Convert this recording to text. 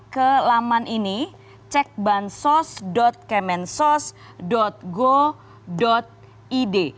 ke laman ini cek bansos kemensos go id